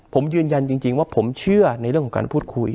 ผมยืนยันจริงว่าผมเชื่อในเรื่องของการพูดคุย